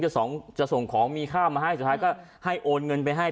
จะส่งของมีค่ามาให้สุดท้ายก็ให้โอนเงินไปให้